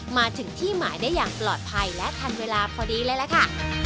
มาถึงที่หมายได้อย่างปลอดภัยและทันเวลาพอดีเลยล่ะค่ะ